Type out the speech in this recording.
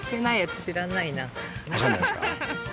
分かんないですか。